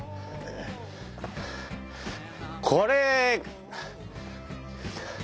これ。